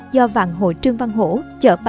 do vạn hội trương văn hổ chở